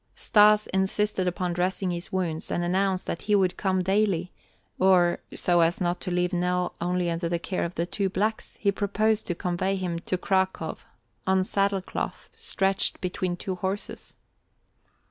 Stas insisted upon dressing his wounds and announced that he would come daily, or, so as not to leave Nell only under the care of the two blacks, he proposed to convey him to "Cracow," on saddle cloth, stretched between two horses.